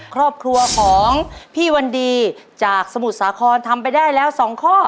ครอบครัวของพี่วันดีจากสมุทรสาครทำไปได้แล้ว๒ข้อ